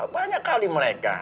banyak kali mereka